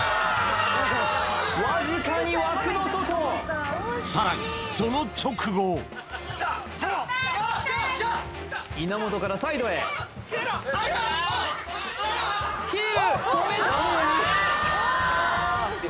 わずかに枠の外さらに稲本からサイドへヒール止めた！